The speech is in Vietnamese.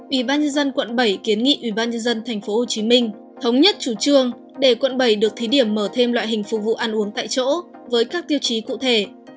ủy ban nhân dân quận bảy kiến nghị ubnd tp hcm thống nhất chủ trương để quận bảy được thí điểm mở thêm loại hình phục vụ ăn uống tại chỗ với các tiêu chí cụ thể